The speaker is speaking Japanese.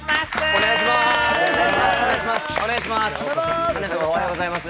お願いします。